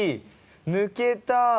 抜けた。